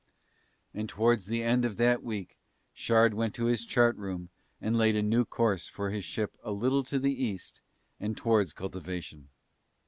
And towards the end of that week Shard went to his chart room and laid a new course for his ship a little to the East and towards cultivation.